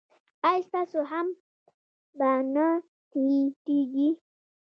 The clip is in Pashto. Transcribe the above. ایا ستاسو همت به نه ټیټیږي؟